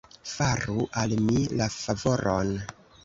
Faru al mi la favoron.